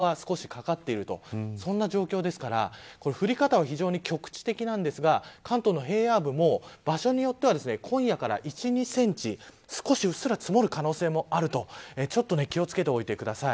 もちろん山陰地方も警戒は必要なんですが東京の周辺にも実は雪雲が少しかかっているそんな状況ですから降り方は非常に局地的なんですが関東の平野部も、場所によっては今夜から１、２センチうっすら積もる可能性もあるとちょっと気を付けておいてください。